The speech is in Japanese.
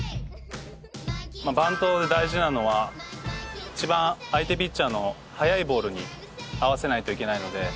バントで大事なのは一番相手ピッチャーの速いボールに合わせないといけないので。